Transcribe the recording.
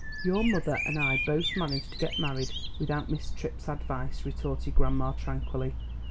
"Your mother and I both managed to get married without Miss Fripp's advice," retorted grandma tranquilly.